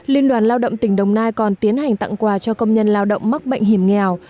liên đoàn lao động tỉnh đồng nai còn tiến hành tặng quà cho công nhân lao động mắc bệnh hiểm nghèo